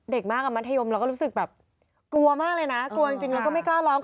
เด็กมากกับมัธยมเราก็รู้สึกแบบกลัวมากเลยนะกลัวจริงแล้วก็ไม่กล้าร้อง